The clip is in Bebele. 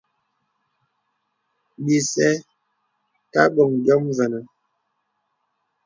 Bìsê tà bòŋ yòm vənə.